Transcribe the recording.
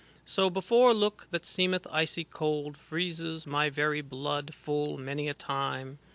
' So before look that seemeth icy cold, Freezes my very blood full many a time.